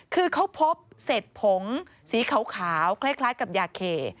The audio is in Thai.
คือเขาพบเศษผงสีขาวคล้ายกับยาเค